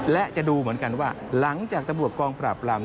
และจะดูเหมือนกันว่าหลังจากตำรวจกองปราบราม